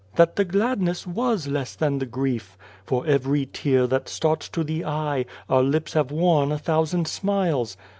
that the gladness was less than the grief? For every tear that starts to the eye, our lips have worn a thousand smiles.